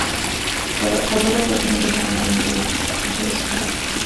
Por verlo aparentemente sano, nadie había hecho caso de sus palabras.